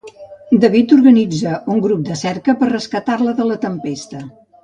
David organitza un grup de cerca per rescatar-la de la tempesta.